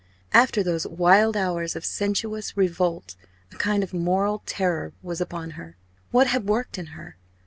After those wild hours of sensuous revolt, a kind of moral terror was upon her. What had worked in her?